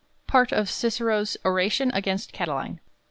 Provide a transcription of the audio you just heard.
Part of Cicero's Oration against Catiline.